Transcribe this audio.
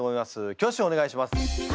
挙手をお願いします。